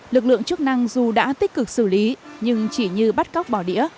lực lượng chức năng dù đã tích cực xử lý nhưng chỉ như bắt cóc bỏ đĩa